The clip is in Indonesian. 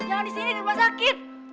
jangan di sini di rumah sakit